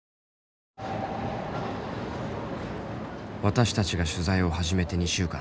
私たちが取材を始めて２週間。